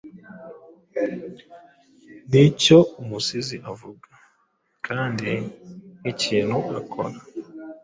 nk'icyo umusizi avuga, kandi nk'ikintu akora.